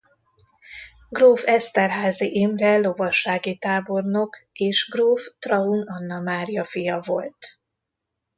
Gróf Esterházy Imre lovassági tábornok és gróf Traun Anna Mária fia volt.